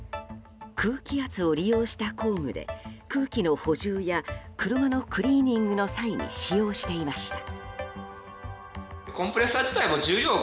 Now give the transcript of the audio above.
空気圧を利用した工具で空気の補充や車のクリーニングの際に使用していました。